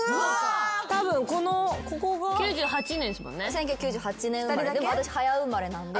１９９８年生まれでも私早生まれなんで。